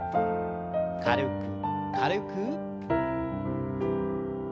軽く軽く。